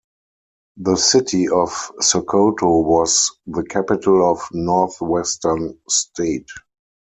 The city of Sokoto was the capital of North-Western State.